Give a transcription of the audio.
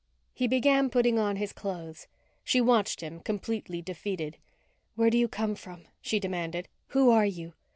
He began putting on his clothes. She watched him, completely defeated. "Where do you come from?" she demanded. "Who are you?